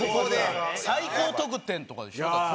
最高得点とかでしょ？だって。